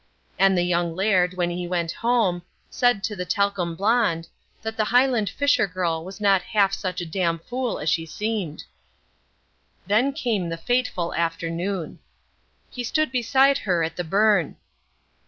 And the young Laird, when he went home, said to the talcum blonde, that the Highland fisher girl was not half such a damn fool as she seemed. Then came the fateful afternoon. He stood beside her at the burn.